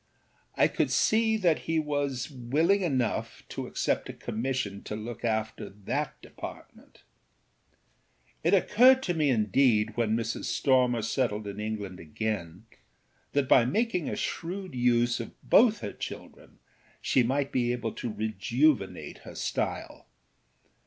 I could see that he was willing enough to accept a commission to look after that department. It occurred to me indeed, when Mrs. Stormer settled in England again, that by making a shrewd use of both her children she might be able to rejuvenate her style.